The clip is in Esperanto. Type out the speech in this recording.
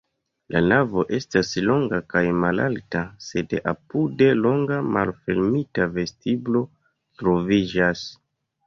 La navo estas longa kaj malalta, sed apude longa malfermita vestiblo troviĝas.